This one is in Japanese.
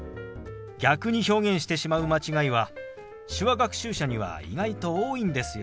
逆に表現してしまう間違いは手話学習者には意外と多いんですよ。